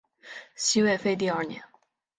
西魏废帝二年。